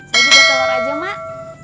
saya juga telur aja mak